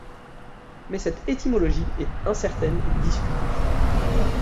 Mais cette étymologie est incertaine et discutée.